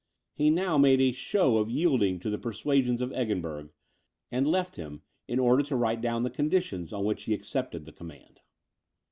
He now made a show of yielding to the persuasions of Eggenberg; and left him, in order to write down the conditions on which he accepted the command.